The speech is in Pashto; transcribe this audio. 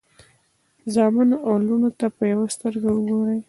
زامنو او لوڼو ته په یوه سترګه وګورئ.